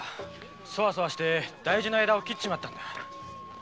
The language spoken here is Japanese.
そわそわして大事な枝を切っちまった。